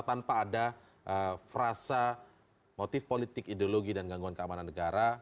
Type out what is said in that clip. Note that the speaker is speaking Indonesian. tanpa ada frasa motif politik ideologi dan gangguan keamanan negara